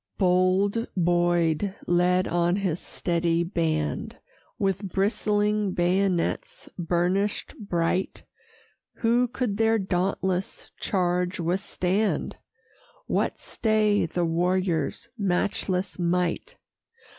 Bold Boyd led on his steady band, With bristling bayonets burnish'd bright: Who could their dauntless charge withstand? What stay the warriors' matchless might?